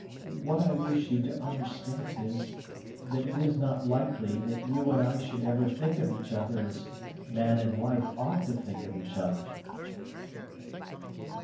What I wish you to understand is, that it is not likely that you and I should ever think of each other as man and wife ought to think of each other."